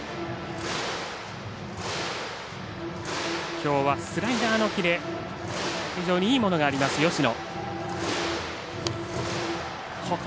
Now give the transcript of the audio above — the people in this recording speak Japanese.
きょうはスライダーのキレ非常にいいものがある、芳野。